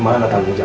saya akan buka